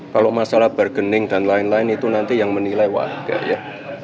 kalau masalah bargaining dan lain lain itu nanti yang menilai warga ya